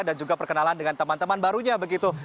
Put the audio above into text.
dan juga perkenalan dengan teman teman barunya begitu